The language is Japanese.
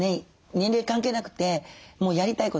年齢関係なくてもうやりたいことやろうって。